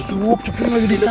cukup cukup lagi dicari